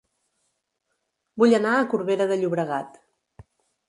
Vull anar a Corbera de Llobregat